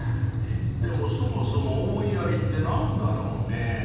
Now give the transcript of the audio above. でもそもそも「思いやり」ってなんだろうね？